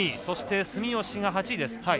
そして、住吉が８位です。